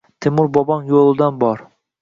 Temur bobong yoʻlidan bor...